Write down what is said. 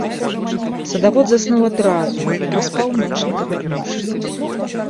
Садавод заснуў адразу і праспаў ноч, не павярнуўшыся.